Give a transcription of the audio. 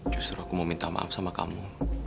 justru aku mau minta maaf sama kamu